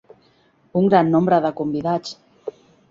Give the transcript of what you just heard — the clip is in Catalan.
Un gran nombre de convidats.